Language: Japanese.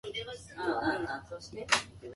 ブランコ乗りたい